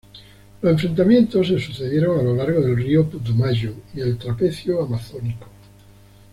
Los enfrentamientos se sucedieron a lo largo del río Putumayo y el trapecio amazónico.